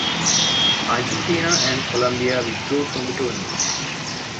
Argentina, and Colombia withdrew from the tournament.